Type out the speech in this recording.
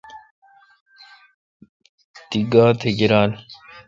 تی گاتھ گیرال۔